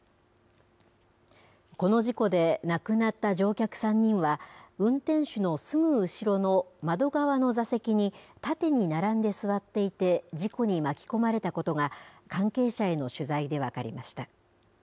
この事故で亡くなった乗客３人は、運転手のすぐ後ろの窓側の座席に縦に並んで座っていて、事故に巻き込まれたことが、関係者への取材で分かりました。